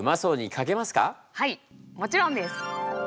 はいもちろんです。